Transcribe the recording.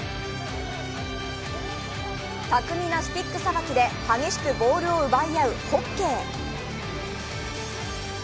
巧みなスティックさばきでボールを奪い合うホッケー。